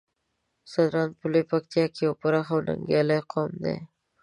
ځدراڼ په لويه پکتيا کې يو پراخ او ننګيالی قوم دی.